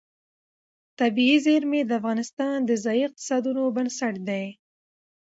طبیعي زیرمې د افغانستان د ځایي اقتصادونو بنسټ دی.